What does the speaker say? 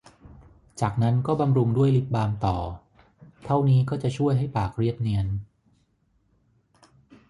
จากนั้นก็บำรุงด้วยลิปบาล์มต่อ เท่านี้ก็จะช่วยให้ปากเรียบเนียน